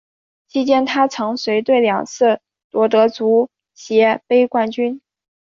期间她曾随队两次夺得足协杯冠军。